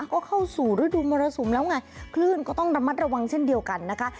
ก็เข้าสู่ฤดูมรสุมแล้วไงคลื่นก็ต้องระมัดระวังเช่นเดียวกันนะคะ